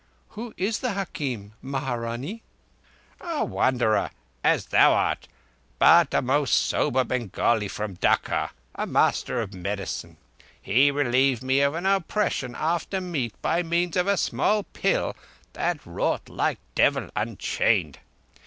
"Who is the hakim, Maharanee?" "A wanderer, as thou art, but a most sober Bengali from Dacca—a master of medicine. He relieved me of an oppression after meat by means of a small pill that wrought like a devil unchained.